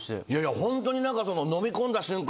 ホントにのみ込んだ瞬間